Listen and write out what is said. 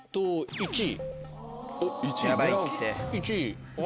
１位。